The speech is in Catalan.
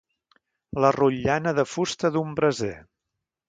La rotllana de fusta d'un braser.